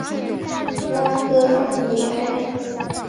拉戈阿尼埃。